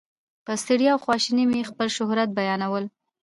په ستړیا او خواشینۍ مې خپل شهرت بیانول.